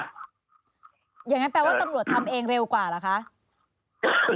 อย่างนั้นแปลว่าตำรวจทำเองเร็วกว่าเหรอคะ